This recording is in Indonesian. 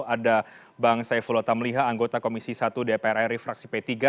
ada bang saifullah tamliha anggota komisi satu dpr ri fraksi p tiga